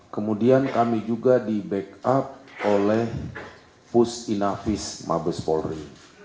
kemudian kami juga di backup oleh pus inafis mabespolri